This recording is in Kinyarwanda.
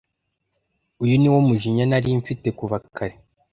uyu niwo mujinya nari nfite kuva kare